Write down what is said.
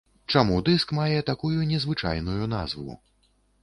Чаму дыск мае такую незвычайную назву?